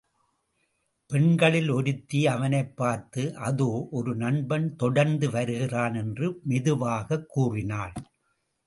பெண்களில் ஒருத்தி அவனைப் பார்த்து அதோ, ஒரு நண்பன் தொடர்ந்து வருகிறான் என்று மெதுவாகக் கூறினாள்.